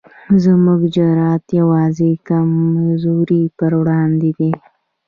زموږ جرئت یوازې د کمزورو پر وړاندې دی.